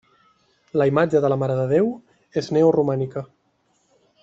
La imatge de la Mare de Déu és neoromànica.